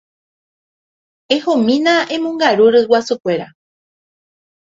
Ehomína emongaru ryguasukuéra.